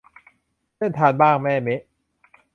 เส้นทางบ้านแม่แมะ